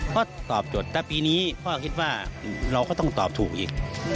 ตอบจดแต่ปีนี้พ่อคิดว่าเราก็ต้องตอบถูกอีก